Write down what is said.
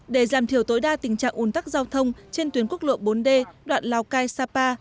để giảm thiểu tối đa tình trạng ồn tắc giao thông trên tuyến quốc lộ bốn d đoạn lào cai sapa